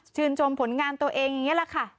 ชมผลงานตัวเองอย่างนี้แหละค่ะ